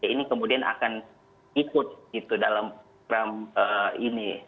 ini kemudian akan ikut gitu dalam program ini